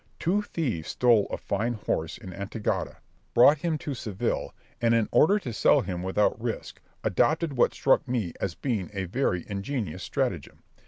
Two thieves stole a fine horse in Antequera, brought him to Seville, and in order to sell him without risk, adopted what struck me as being a very ingenious stratagem.